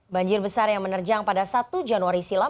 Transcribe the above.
banjir besar yang menerjang pada satu januari silam